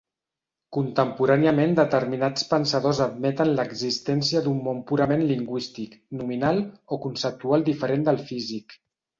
Contemporàniament determinats pensadors admeten l'existència d'un món purament lingüístic, nominal o conceptual diferent del físic.